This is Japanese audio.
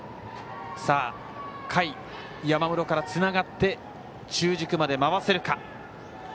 下位の山室からつながって中軸まで回せるか。